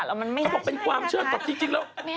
หรือว่ามันไม่ได้ใช่นะคะไม่เอาถ้าบอกเป็นความเชื่อตัดจริงแล้ว